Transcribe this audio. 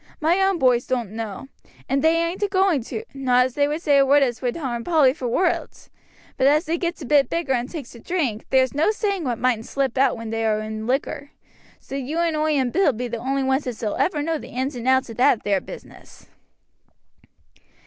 My own boys doan't know, and ain't a going to; not as they would say a word as would harm Polly for worlds, but as they gets a bit bigger and takes to drink, there's no saying what mightn't slip out when they are in liquor. So you and oi and Bill be the only ones as ull ever know the ins and outs o' that there business."